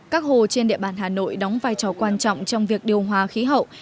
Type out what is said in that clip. các hồ trên địa bàn hà nội đóng vai trò quan trọng trong việc điều hòa khí hậu